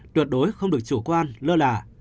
tuyệt đối không được chủ quan lơ lạ